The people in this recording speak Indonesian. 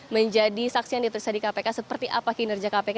menjadi saksi yang diperiksa di kpk seperti apa kinerja kpk